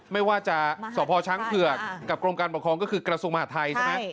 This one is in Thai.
ไม่ว่าจะสพช้างเผือกกับกรมการปกครองก็คือกระทรวงมหาทัยใช่ไหม